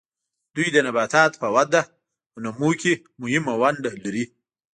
دوی د نباتاتو په وده او نمو کې مهمه ونډه لري.